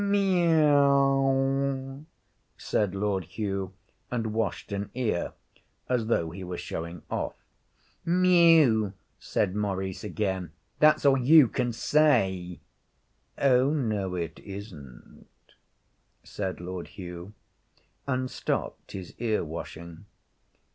'Meaow,' said Lord Hugh, and washed an ear, as though he were showing off. 'Mew,' said Maurice again; 'that's all you can say.' 'Oh, no, it isn't,' said Lord Hugh, and stopped his ear washing.